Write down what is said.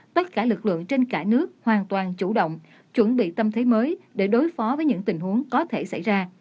tất cả lực lượng trên cả nước hoàn toàn chủ động chuẩn bị tâm thế mới để đối phó với những tình huống có thể xảy ra